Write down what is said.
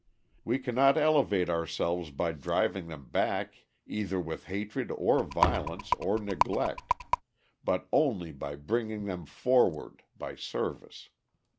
We cannot elevate ourselves by driving them back either with hatred or violence or neglect; but only by bringing them forward: by service.